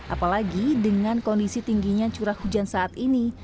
apalagi dengan kondisi tingginya curah hujan saat ini